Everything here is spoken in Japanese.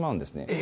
え！